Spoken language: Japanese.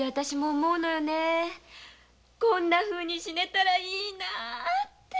こんなふうに死ねたらいいなって。